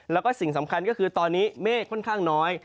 แล้วก็สิ่งสำคัญก็คือตอนนี้เมฆค่อนข้างน้อย